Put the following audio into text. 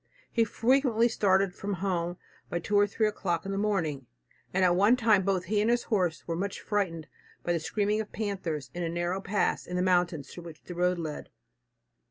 He frequently started from home by two or three o'clock in the morning, and at one time both he and his horse were much frightened by the screaming of panthers in a narrow pass in the mountains through which the road led.